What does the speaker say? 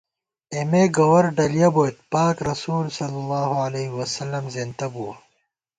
اېمےگوَر ڈلِیَہ بوئیت، پاک رسولﷺ زېنتہ بُوَہ